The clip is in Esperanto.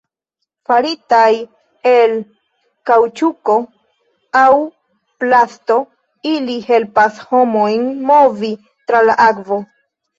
Faritaj el kaŭĉuko aŭ plasto, ili helpas homojn movi tra la akvo.